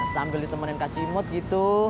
sambil ditemenin kak simot gitu